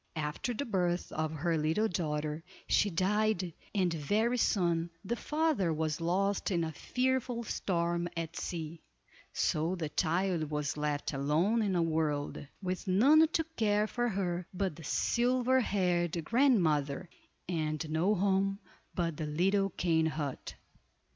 After the birth of her little daughter, she died, and very soon the father was lost in a fearful storm at sea; so the child was left alone in the world, with none to care for her but the silver haired grandmother, and no home but the little cane hut.